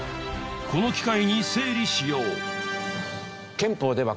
この機会に整理しよう。